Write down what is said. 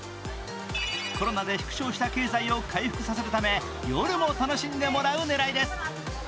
コロナで縮小した経済を回復させるため夜も楽しんでもらう狙いです。